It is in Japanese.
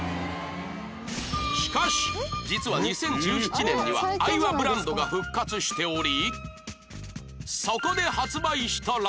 しかし実は２０１７年にはアイワブランドが復活しており